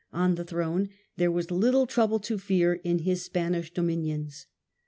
on the throne, there was little trouble to fear m his Spanish dominions.